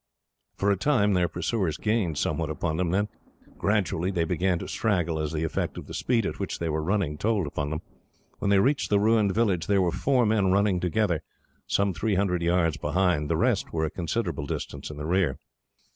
For a time, their pursuers gained somewhat upon them; then, gradually, they began to straggle, as the effect of the speed at which they were running told upon them. When they reached the ruined village, there were four men running together, some three hundred yards behind. The rest were a considerable distance in the rear.